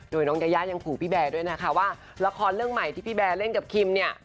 โดยน้องยายายังขู่พี่แบร์ด้วยนะคะว่าละครเรื่องใหม่ที่พี่แบร์เล่นกับคิมเนี่ย